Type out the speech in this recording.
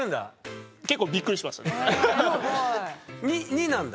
２なんだ。